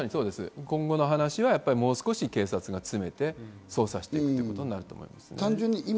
今後の話はもう少し警察が詰めて捜査していくことになると思います。